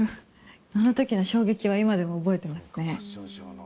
あのときの衝撃は今でも覚えてますね。